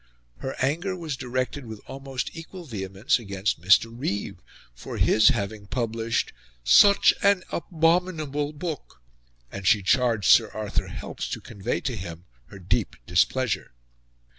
Her anger was directed with almost equal vehemence against Mr. Reeve for his having published "such an abominable book," and she charged Sir Arthur Helps to convey to him her deep displeasure.